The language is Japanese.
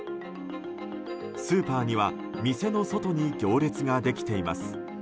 スーパーには店の外に行列ができています。